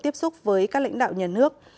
tiếp xúc với các lãnh đạo nhà nước